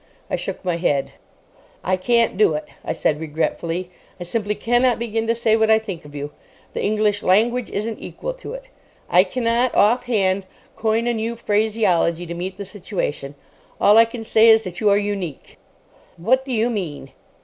I shook my head. "I can't do it," I said regretfully. "I simply cannot begin to say what I think of you. The English language isn't equal to it. I cannot, off hand, coin a new phraseology to meet the situation. All I can say is that you are unique." "What do you mean?"